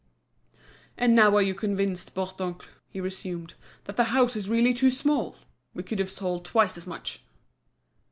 "And now are you convinced, Bourdoncle," he resumed, "that the house is really too small? We could have sold twice as much."